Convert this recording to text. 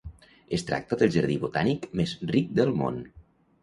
Es tracta del jardí botànic més ric del món.